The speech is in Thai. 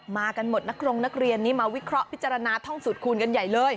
มากันหมดนักรงนักเรียนนี้มาวิเคราะห์พิจารณาท่องสูตรคูณกันใหญ่เลย